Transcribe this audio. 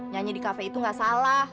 nyanyi di kafe itu gak salah